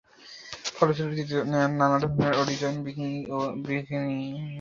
ফলশ্রুতিতে নানা ধরনের ও ডিজাইন বিকিনি তৈরি ও বিস্তৃত হতে থাকে।